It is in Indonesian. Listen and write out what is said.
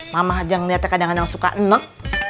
mama aja ngeliatnya kadang kadang suka neneng